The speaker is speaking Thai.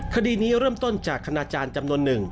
คดีนี้เริ่มต้นจากคณาจารย์จำนวนหนึ่ง